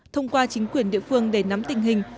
thông qua chính quyền địa phương để nắm tình hình